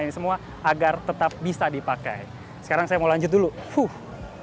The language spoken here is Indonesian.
ini semua agar tetap bisa dipakai sekarang saya mau lanjut dulu fuh